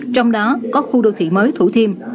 trong đó có khu đô thị mới thủ thiêm